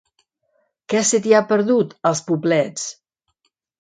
Què se t'hi ha perdut, als Poblets?